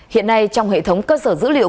hiện nay trong hệ thống cơ sở dữ liệu